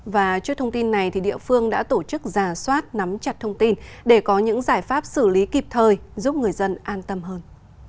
và trước thông tin này địa phương đã tổ chức giả soát nắm chặt thông tin để có những giải pháp xử lý kịp thời giúp người dân an tâm hơn